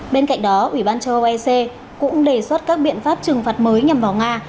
bên cạnh đó ủy ban châu âu ec cũng đề xuất các biện pháp trừng phạt mới nhằm vào nga